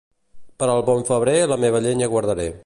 Per al bon febrer la meva llenya guardaré.